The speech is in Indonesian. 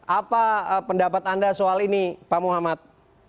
apa pendapat anda soal ini pak muhammad